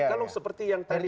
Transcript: kalau seperti yang tadi